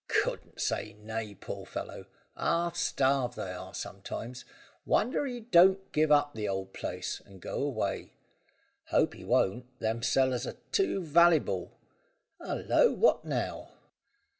"Couldn't say me nay, poor fellow. Half starved they are sometimes. Wonder he don't give up the old place, and go away. Hope he won't. Them cellars are too vallyble. Hallo! What now?"